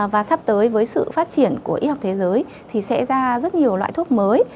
và sắp tới với sự phát triển của y học thế giới thì sẽ ra rất nhiều loại thuốc mới